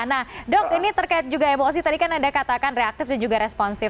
nah dok ini terkait juga emosi tadi kan anda katakan reaktif dan juga responsif